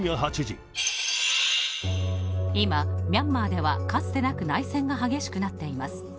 今ミャンマーでは、かつてなく内戦が激しくなっています。